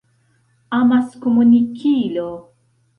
amaskomunikilo